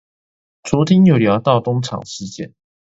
昨天有聊到東廠事件